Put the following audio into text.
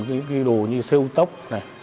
cái đồ như siêu tốc này